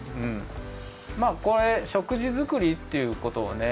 まあこれしょくじづくりっていうことをね